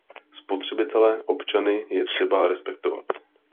Spotřebitele, občany, je třeba respektovat.